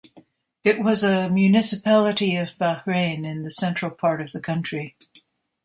It was a municipality of Bahrain in the central part of the country.